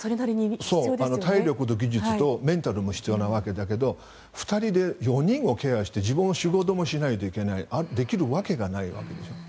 体力と技術とメンタルも必要なわけだけど２人で４人をケアして自分は仕事もしないといけないできるわけがないでしょ。